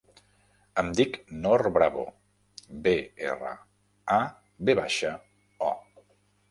Em dic Nor Bravo: be, erra, a, ve baixa, o.